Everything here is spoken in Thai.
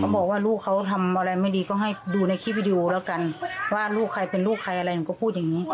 บอกว่าลูกเขาทำอะไรไม่ดีก็ให้ดูในคลิปวิดีโอแล้วกันว่าลูกใครเป็นลูกใครอะไรหนูก็พูดอย่างนี้